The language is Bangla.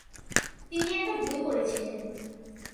তিনি একটা ভুল করেছিলেন।